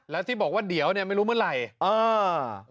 แล้วที่บอกว่าเดี๋ยวเนี่ยไม่รู้เมื่อไหร่อ่า